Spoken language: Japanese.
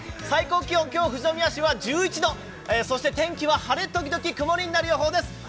最高気温、今日、富士宮市は１１度、そして天気は晴れ時々曇りになる予報です。